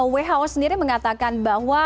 who sendiri mengatakan bahwa